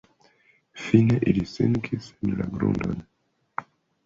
Fine ili sinkis en la grundon.